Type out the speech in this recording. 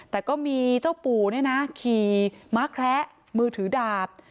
แต่ก็มีเจ้าปู่เนี่ยนะขี่ม้าแคระมือถือดาบ